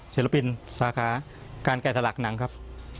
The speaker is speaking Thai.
ศิลปินสาขาการแก่สลักหนังครับ